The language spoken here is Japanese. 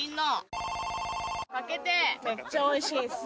めっちゃおいしいんす！